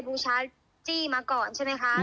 บูชาจี้มาก่อนใช่ไหมคะ